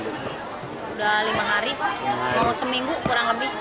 sudah lima hari mau seminggu kurang lebih